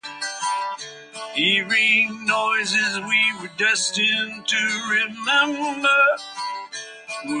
The section was transmitted live, as it was not an interview.